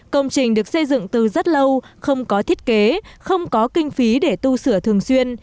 công trình được xây dựng từ rất lâu không có thiết kế không có kinh phí để tu sửa thường xuyên